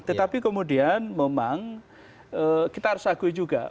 tetapi kemudian memang kita harus akui juga